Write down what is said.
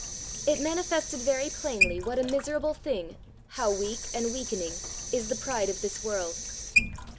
It manifested very plainly what a miserable thing, how weak and weakening, is the pride of this world.